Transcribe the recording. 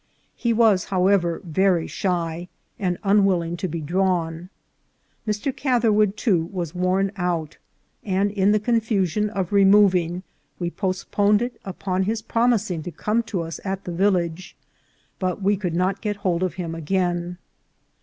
He was, however, very shy, and un willing to be drawn. Mr. Catherwood, too, was worn out, and in the confusion of removing we postponed it upon his promising to come to us at the village, but we could not get hold of him again.